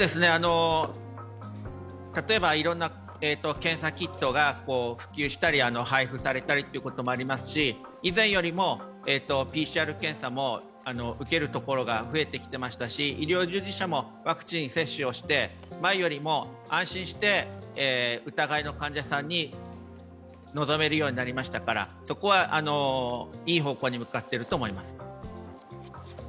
例えばいろいろな検査キットが普及したり配布されたということもありますし、以前よりもＰＣＲ検査も受けるところが増えてきていましたし、医療従事者もワクチン接種をして前よりも安心して疑いの患者さんに臨めるようになりましたからそこはいい方向に向かっていると思います。